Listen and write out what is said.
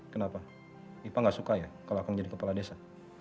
kenapa ipa gak suka ya kalau aku menjadi kepala desa